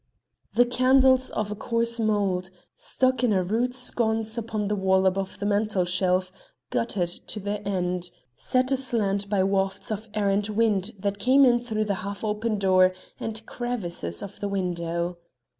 The candles of coarse mould, stuck in a rude sconce upon the wall above the mantelshelf, guttered to their end, set aslant by wafts of errant wind that came in through the half open door and crevices of the window.